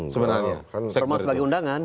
sebenarnya formal sebagai undangan